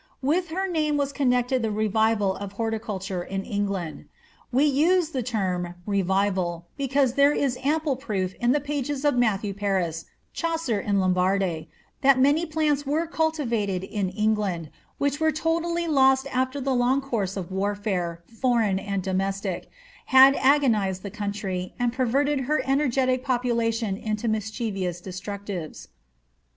With her name was connected the revival of horticulture in England. We use the term revival^ because there is ample proof in the pages of Matthew Paris, Chaucer, and Lambarde, that many plants vers cultivated in England which were totally lost afVer the long course of warftre, foreign and domestic, had agonised the land, and perverted her eneigetic population into mischievous destructives.